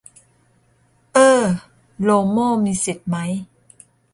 เอ้อ โลโม่มีสิทธิ์ไหม